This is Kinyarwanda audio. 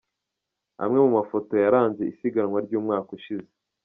Amwe mu mafoto yaranze isiganwa ry’umwaka ushize.